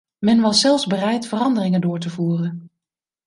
Men was zelfs bereid veranderingen door te voeren.